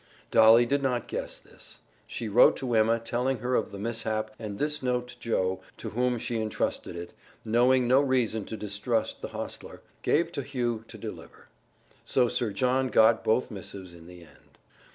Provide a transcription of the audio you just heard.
Dolly did not guess this. She wrote to Emma telling her of the mishap, and this note Joe, to whom she intrusted it, knowing no reason to distrust the hostler, gave to Hugh to deliver. So Sir John got both missives in the end.